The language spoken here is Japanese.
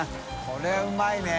これうまいね！